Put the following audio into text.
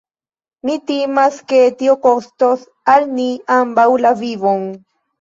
Mi timas, ke tio kostos al ni ambaŭ la vivon.